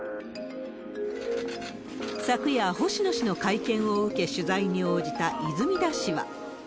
昨夜、星野氏の会見を受け取材に応じた泉田氏は。